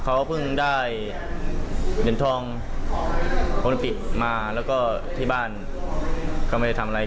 เขาเพิ่งได้เหรียญทองโอลิมปิกมาแล้วก็ที่บ้านก็ไม่ได้ทำอะไร